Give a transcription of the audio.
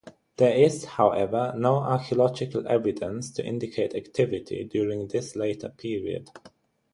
There is, however, no archaeological evidence to indicate activity during this later period.